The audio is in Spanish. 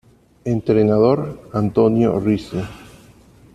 Entrenador: Antonio Ricci